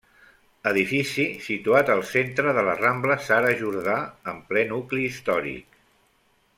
Edifici situat al centre de La Rambla Sara Jordà, en ple nucli històric.